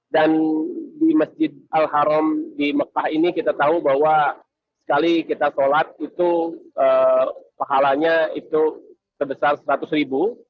dan di masjid al haram di mekah ini kita tahu bahwa sekali kita sholat itu pahalanya itu sebesar seratus ribu